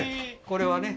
これはね